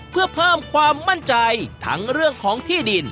เพื่อเพิ่มความมั่นใจทั้งเรื่องของที่ดิน